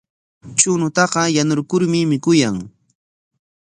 Chuñutaqa yanurkurmi mikuyan.